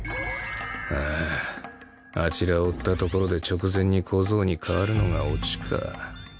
あああちらを追ったところで直前に小僧に代わるのがオチか。